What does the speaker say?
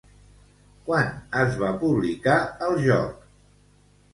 Quan es va publicar el joc?